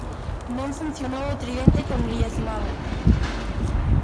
Non funcionou o tridente con Griezman.